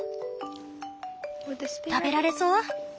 食べられそう？